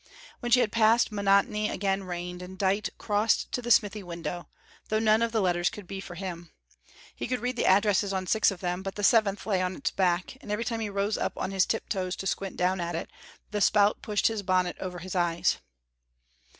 When she had passed monotony again reigned, and Dite crossed to the smithy window, though none of the letters could be for him. He could read the addresses on six of them, but the seventh lay on its back, and every time he rose on his tip toes to squint down at it, the spout pushed his bonnet over his eyes.